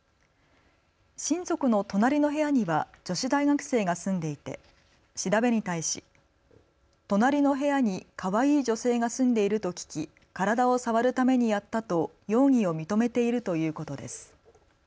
親族の隣の部屋には女子大学生が住んでいて調べに対し隣の部屋にかわいい女性が住んでいると聞き、体を触るためにやったと容疑を認めているということです。